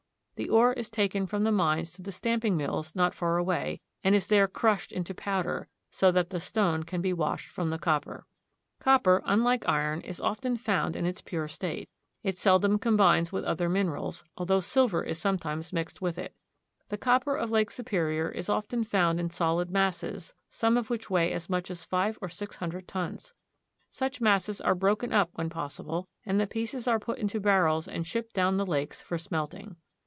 The ore is taken from the mines to the stamping mills not far away, and is there crushed into powder, so that the stone can be washed from the copper. Copper, unlike iron, is often found in its pure state. It seldom combines with other minerals, although silver is sometimes mixed with it. The copper of Lake Superior is often found in solid masses, some of which weigh as much as five or six hundred tons. Such masses are broken up when possible, and the pieces are put into barrels and shipped down the lakes for smelting.